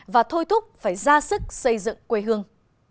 và thôi thúc phải ra sức xây dựng quê hương